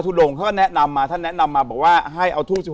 งเขาก็แนะนำมาท่านแนะนำมาบอกว่าให้เอาทูบ๑๖